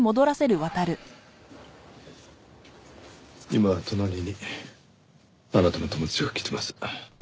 今隣にあなたの友達が来てます。